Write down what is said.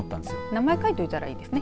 名前書いといたらいいですね。